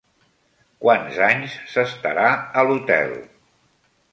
Quants anys s'estarà a l'hotel?